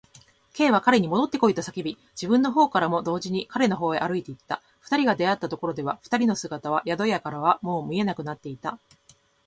Ｋ は彼にもどってこいと叫び、自分のほうからも同時に彼のほうへ歩いていった。二人が出会ったところでは、二人の姿は宿屋からはもう見えなくなっていた。